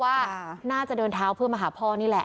ว่าน่าจะเดินเท้าเพื่อมาหาพ่อนี่แหละ